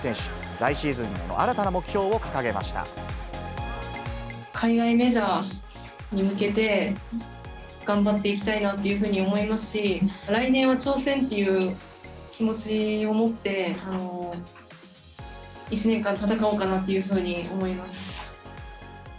来シーズンの新たな目標を掲げま海外メジャーに向けて、頑張っていきたいなっていうふうに思いますし、来年は挑戦という気持ちを持って、１年間戦おうかなっていうふうに思います。